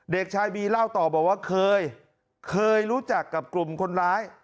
เด็กชายบีเล่าต่อบอกว่าเคยเคยรู้จักกับกลุ่มคนร้าย